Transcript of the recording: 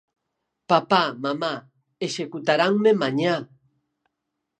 Papá, mamá: Executaranme mañá.